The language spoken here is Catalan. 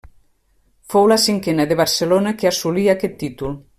Fou la cinquena de Barcelona que assolí aquest títol.